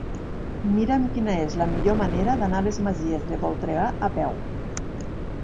Mira'm quina és la millor manera d'anar a les Masies de Voltregà a peu.